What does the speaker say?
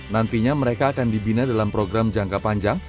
nantinya mereka akan dibina dalam program jangka panjang